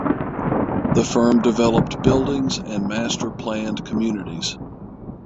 The firm developed buildings and master planned communities.